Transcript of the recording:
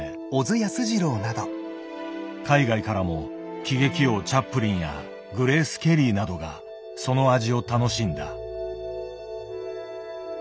海外からも喜劇王チャップリンやグレース・ケリーなどがその味を楽しんだ。